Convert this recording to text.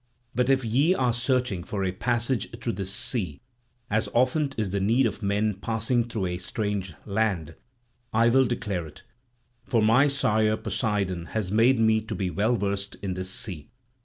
But if ye are searching for a passage through this sea, as often is the need of men passing through a strange land, I will declare it. For my sire Poseidon has made me to be well versed in this sea.